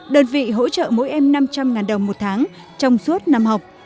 đơn vị hỗ trợ mỗi em năm trăm linh đồng một tháng trong suốt năm học